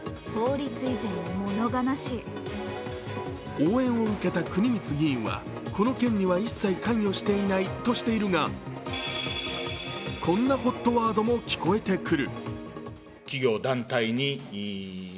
応援を受けた国光議員はこの件には一切関与していないとしているがこんなＨＯＴワードも聞こえてくる。